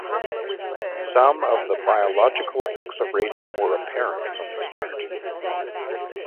Some of the biological effects of radium were apparent from the start.